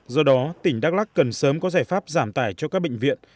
do đó tỉnh đắk lắc cần sớm có giải pháp giảm tải cho các bệnh viện